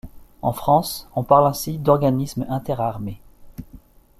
En France, on parle aussi d'organismes interarmées.